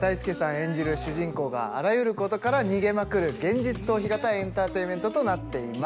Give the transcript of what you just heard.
演じる主人公があらゆることから逃げまくる現実逃避型エンターテインメントとなっています。